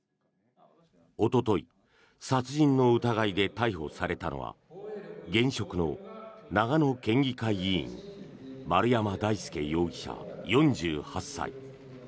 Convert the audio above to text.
おととい殺人の疑いで逮捕されたのは現職の長野県議会議員丸山大輔容疑者、４８歳。